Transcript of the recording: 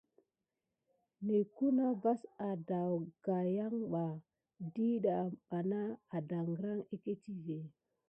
Ne kuna vase adaougayaba dida mbana adagran egətivé.